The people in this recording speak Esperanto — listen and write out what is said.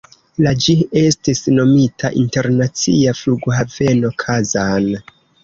La ĝi estis nomita Internacia flughaveno Kazan.